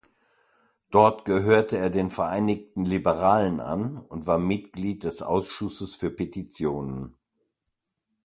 Dort gehörte er den "Vereinigten Liberalen" an und war Mitglied des Ausschusses für Petitionen.